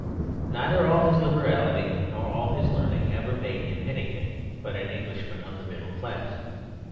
Neither all his liberality nor all his learning ever made him anything but an Englishman of the middle class.